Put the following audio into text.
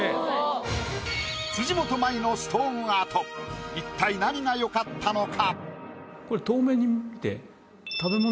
辻元舞のストーンアート一体何がよかったのか？